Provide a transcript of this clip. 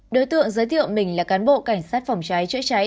đối tượng giới thiệu mình là cán bộ cảnh sát phòng cháy chữa cháy